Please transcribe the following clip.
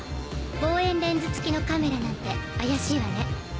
望遠レンズ付きのカメラなんて怪しいわね。